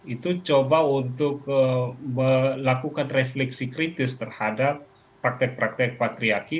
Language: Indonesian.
itu coba untuk melakukan refleksi kritis terhadap praktek praktek patriarki